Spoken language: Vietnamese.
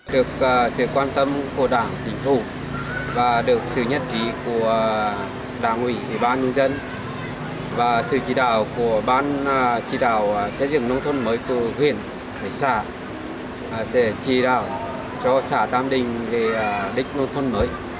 được sự quan tâm của đảng tỉnh thủ và được sự nhất trí của đảng ủy bán nhân dân và sự chỉ đạo của bán chỉ đạo xây dựng nông thôn mới của huyện xã sẽ chỉ đạo cho xã tàm đình về đích nông thôn mới